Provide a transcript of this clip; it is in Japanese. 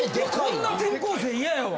こんな転校生嫌やわ。